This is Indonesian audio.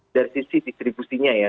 dari sisi distribusinya ya